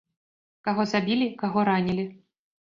Каго забілі, каго ранілі.